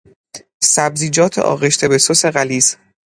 سبزیجات آغشته به سس غلیظ